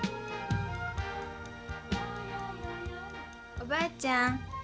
「おばあちゃん